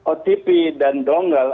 otp dan donggel